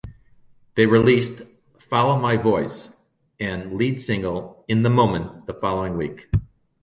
They released "Follow My Voice" and lead single "In the Moment" the following week.